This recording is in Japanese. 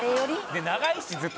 「で長いしずっと」